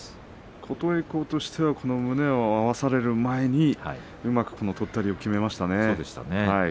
琴恵光としては胸を合わせられる前にうまくとったりをきめましたね。